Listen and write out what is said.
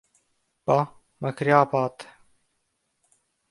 Μπα; Μακριά πάτε.